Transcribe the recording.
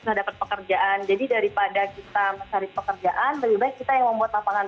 nggak dapat pekerjaan jadi daripada kita mencari pekerjaan lebih baik kita yang membuat lapangan